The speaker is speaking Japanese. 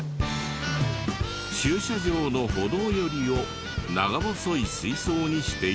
駐車場の歩道寄りを長細い水槽にしていて。